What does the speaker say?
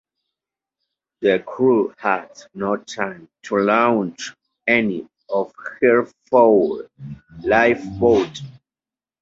The crew had no time to launch any of her four lifeboats.